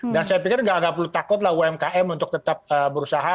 dan saya pikir nggak perlu takut lah umkm untuk tetap berusaha